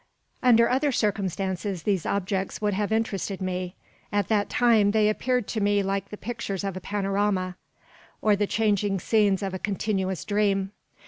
Under other circumstances these objects would have interested me. At that time, they appeared to me like the pictures of a panorama, or the changing scenes of a continuous dream.